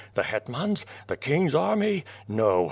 The hetmans? The king's army? No!